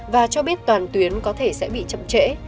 và cho biết toàn tuyến có thể sẽ bị chậm trễ